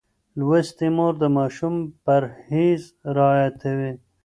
لوستې مور د ماشوم پرهېز رعایتوي.